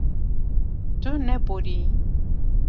Tu neboriyî.